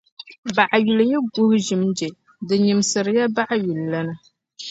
Baɣayuli yi guhi ʒim je, di nyimsirila baɣayulilana.